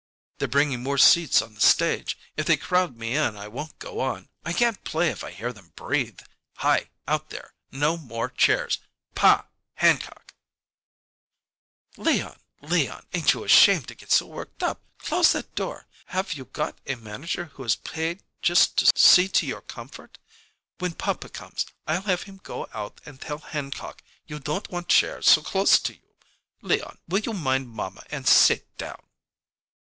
"They're bringing more seats on the stage. If they crowd me in I won't go on. I can't play if I hear them breathe. Hi out there no more chairs! Pa! Hancock " "Leon, Leon, ain't you ashamed to get so worked up? Close that door. Have you got a manager who is paid just to see to your comfort? When papa comes, I'll have him go out and tell Hancock you don't want chairs so close to you. Leon, will you mind mamma and sit down?"